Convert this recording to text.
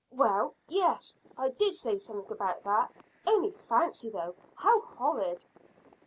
"Well, yes, I did say something about that. Only fancy, though, how horrid!"